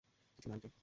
কিছু না, আন্টি।